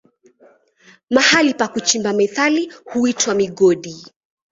Mahali pa kuchimba metali huitwa migodi.